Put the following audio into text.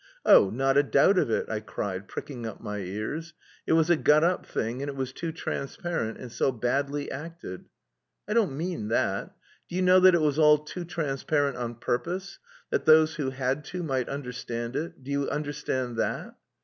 "Oh, not a doubt of it," I cried, pricking up my ears. "It was a got up thing and it was too transparent, and so badly acted." "I don't mean that. Do you know that it was all too transparent on purpose, that those... who had to, might understand it. Do you understand that?"